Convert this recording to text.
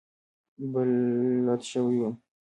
بلد شوی وم.